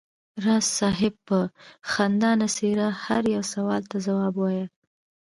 راز صاحب په خندانه څېره هر یو سوال ته ځواب وایه.